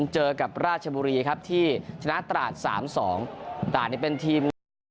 เจอกับราชบุรีครับที่ชนะตราด๓๒ตราดนี่เป็นทีมงานนะครับ